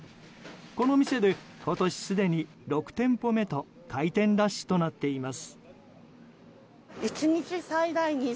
この店で今年すでに６店舗目と開店ラッシュとなっています。